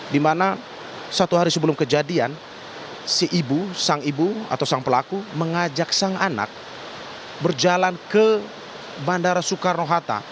di mana satu hari sebelum kejadian si ibu sang ibu atau sang pelaku mengajak sang anak berjalan ke bandara soekarno hatta